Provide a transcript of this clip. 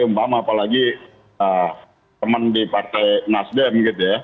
umpama apalagi teman di partai nasdem gitu ya